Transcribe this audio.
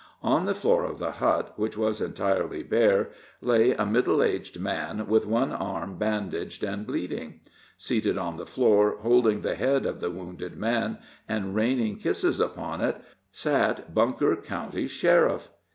On the floor of the hut, which was entirely bare, lay a middle aged man, with one arm bandaged and bleeding. Seated on the floor, holding the head of the wounded man, and raining kisses upon it, sat Bunker County's sheriff!